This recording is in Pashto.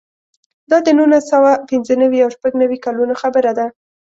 دا د نولس سوه پنځه نوي او شپږ نوي کلونو خبره ده.